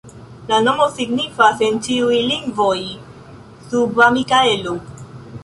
La nomo signifas en ĉiuj lingvoj: suba Mikaelo.